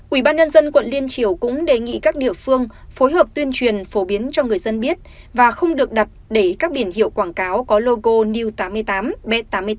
ủy ban nhân dân quận liên triều cũng đề nghị các địa phương phối hợp tuyên truyền phổ biến cho người dân biết và không được đặt để các biển hiệu quảng cáo có logo new tám mươi tám b tám mươi tám